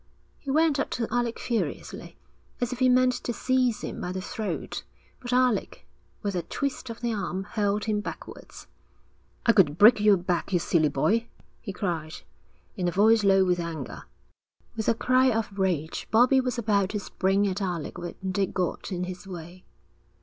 He went up to Alec furiously, as if he meant to seize him by the throat, but Alec, with a twist of the arm, hurled him backwards. 'I could break your back, you silly boy,' he cried, in a voice low with anger. With a cry of rage Bobbie was about to spring at Alec when Dick got in his way.